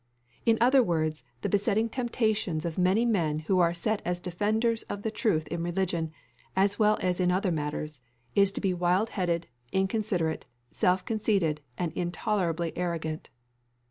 In other words, the besetting temptations of many men who are set as defenders of the truth in religion, as well as in other matters, is to be wild headed, inconsiderate, self conceited, and intolerably arrogant.